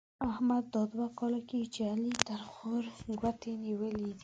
احمد دا دوه کاله کېږي چې علي تر خوږ ګوتې نيولې دی.